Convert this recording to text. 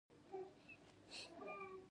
ایا مالګه به کمه کړئ؟